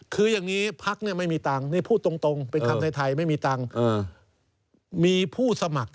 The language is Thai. คือยังงี้ภาคนี้ไม่มีตังค์นี่พูดตรงเป็นคำในไทยไม่มีตังค์